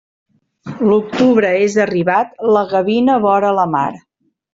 L'octubre és arribat, la gavina vora la mar.